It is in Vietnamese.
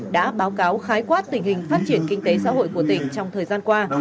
đã báo cáo khái quát tình hình phát triển kinh tế xã hội của tỉnh trong thời gian qua